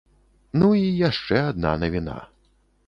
Ну і яшчэ адна навіна.